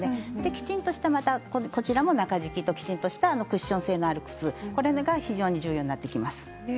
きちんとした中敷きときちんとしたクッション性のある靴が非常に重要になってきます。